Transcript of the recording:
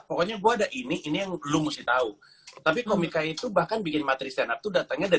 pokoknya gua ada ini ini yang lu mesti tahu tapi komika itu bahkan bikin materi stand up itu datangnya